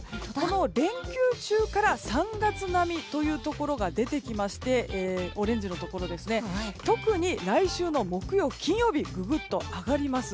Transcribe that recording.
連休中から３月並みというところが出てきまして特に来週の木曜、金曜日にぐぐっと上がります。